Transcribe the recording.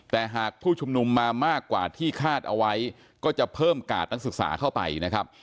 แต่หากผู้ชุมนุมมามากกว่าที่คาดเอาไว้ก็จะเพิ่มกาดนักศึกษาเข้าไปนะครับ